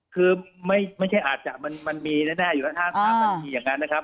คือไม่ใช่อาจจะมันมีแน่อยู่แล้ว๕๓นาทีอย่างนั้นนะครับ